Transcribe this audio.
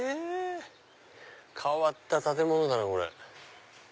変わった建物だなこれ。